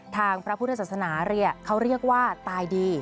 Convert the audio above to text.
พระพุทธศาสนาเขาเรียกว่าตายดี